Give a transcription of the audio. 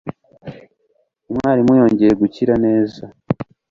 Umwarimu yongeye gukira neza.